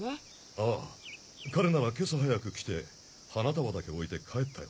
ああ彼なら今朝早く来て花束だけ置いて帰ったよ。